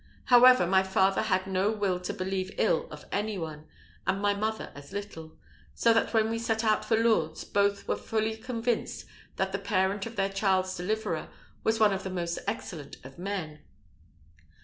However, my father had no will to believe ill of any one, and my mother as little; so that, when we set out for Lourdes, both were fully convinced that the parent of their child's deliverer was one of the most excellent of men.